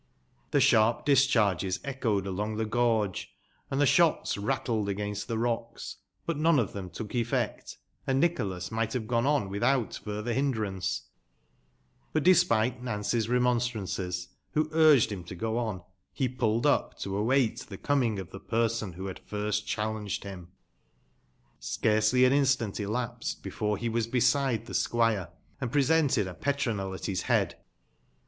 Tbe sbarp discbarges ecboed along tbe gorge, and tbe sbots rattled against tbe rocks, but none of tbem took effect, and Nicbolas migbt bave gone on witbout f urther bin drance ; but, despite Nance's remonstrances, wbo urged >iinn to go on, he pulled up to await tbe coming of tbe person wbo bad first cballenged bim. Scarcely an instant elapsed before be was beeide tbe sqmre,*and presented a petronel at bis bead.